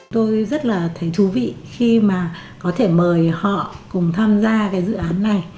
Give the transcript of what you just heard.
tôi rất là thấy thú vị khi mà có thể mời họ cùng tham gia cái dự án này